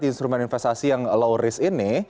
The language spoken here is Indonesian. instrumen investasi yang low risk ini